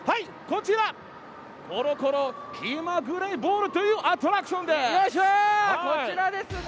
こちら、コロコロきまぐれボールというアトラクションです。